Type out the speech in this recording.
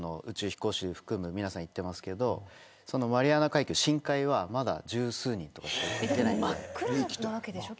宇宙飛行士含む皆さん行ってますけどマリアナ海溝、深海はまだ十数人とかしか行ってないんで。